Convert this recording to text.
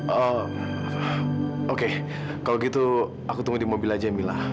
oh oke kalau gitu aku tunggu di mobil aja mila